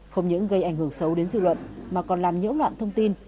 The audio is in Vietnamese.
không những gây ảnh hưởng xấu đến dự luận mà còn làm nhỡ loạn thông tin